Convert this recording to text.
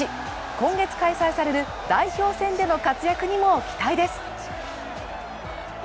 今月開催される代表戦での活躍にも期待です。